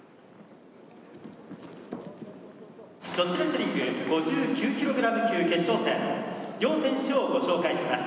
「女子レスリング５９ｋｇ級決勝戦両選手をご紹介します」。